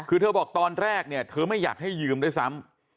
คือเธอบอกตอนแรกเนี่ยเธอไม่อยากให้ยืมด้วยซ้ำ